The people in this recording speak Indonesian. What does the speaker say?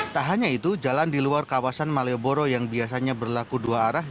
tak hanya itu jalan di luar kawasan malioboro yang biasanya berlaku dua arah